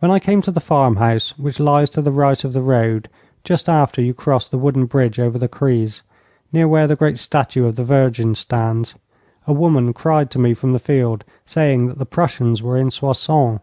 When I came to the farmhouse which lies to the right of the road just after you cross the wooden bridge over the Crise, near where the great statue of the Virgin stands, a woman cried to me from the field, saying that the Prussians were in Soissons.